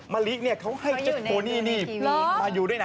มะริเค้าให้เจ้าตัวโน่นนี่มาริด้วยนะ